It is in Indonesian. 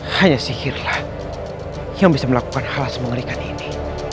hanya sihirlah yang bisa melakukan hal semenggerikan ini